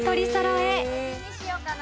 エビにしようかな。